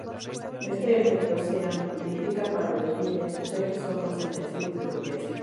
Este efecto se amplifica para los bienes, ya que son más intensivos de confianza.